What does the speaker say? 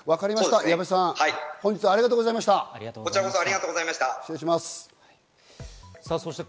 矢部さん、ありがとうございました。